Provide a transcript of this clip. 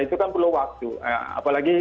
itu kan perlu waktu apalagi